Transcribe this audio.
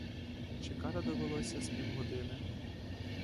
Чекати довелося з півгодини.